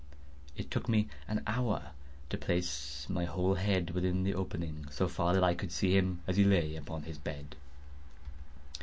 It took me an hour to place my whole head within the opening so far that I could see him as he lay upon his bed.